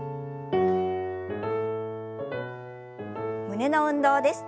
胸の運動です。